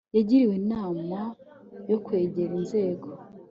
yagiriwe inama yo kwegera inzego